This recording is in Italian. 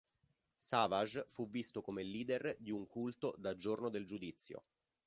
Savage fu visto come leader di un culto da Giorno del Giudizio.